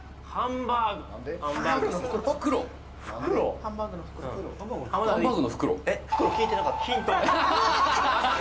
えっ？ヒントを聞いてなかった・